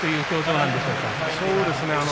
そうですね